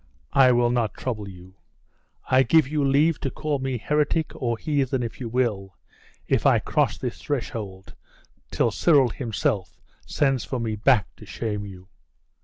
I will not trouble you; I give you leave to call me heretic, or heathen, if you will, if I cross this threshold till Cyril himself sends for me back to shame you.